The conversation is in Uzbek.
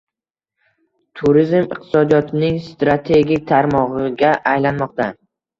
Turizm iqtisodiyotning strategik tarmog‘iga aylanmoqda